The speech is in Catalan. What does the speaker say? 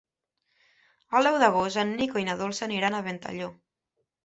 El deu d'agost en Nico i na Dolça aniran a Ventalló.